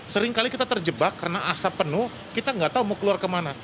seringkali kita terjebak karena asap penuh kita nggak tahu mau keluar kemana